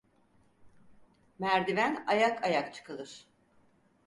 Merdiven ayak ayak çıkılır.